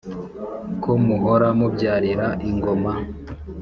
ko muhora mubyarira ingoma